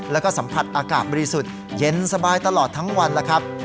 แล้วก็สัมผัสอากาศบริสุทธิ์เย็นสบายตลอดทั้งวันแล้วครับ